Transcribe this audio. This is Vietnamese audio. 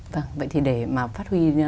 vâng vậy thì để mà phát huy